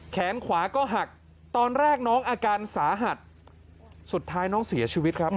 แขนขวาก็หักตอนแรกน้องอาการสาหัสสุดท้ายน้องเสียชีวิตครับ